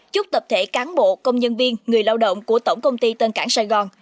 chúc tập thể cán bộ công nhân viên người lao động của tổng công ty tân cảng sài gòn